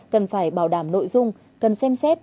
cần phải bảo đảm nội dung cần xem xét